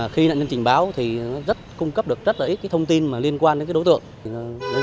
khi nạn nhân trình báo nó cung cấp được rất ít thông tin liên quan đến đối tượng